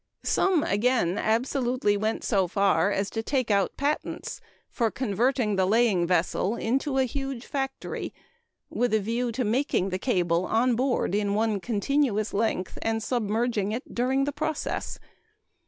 Some again absolutely went so far as to take out patents for converting the laying vessel into a huge factory, with a view to making the cable on board in one continuous length, and submerging it during the process!